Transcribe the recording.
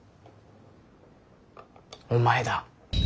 お前だ。